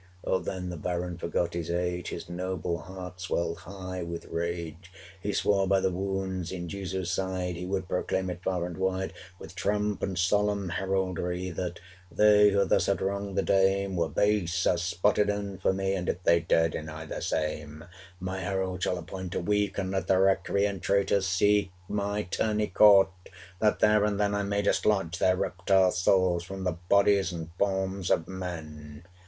430 O then the Baron forgot his age, His noble heart swelled high with rage; He swore by the wounds in Jesu's side He would proclaim it far and wide, With trump and solemn heraldry, 435 That they, who thus had wronged the dame, Were base as spotted infamy! 'And if they dare deny the same, My herald shall appoint a week, And let the recreant traitors seek 440 My tourney court that there and then I may dislodge their reptile souls From the bodies and forms of men!'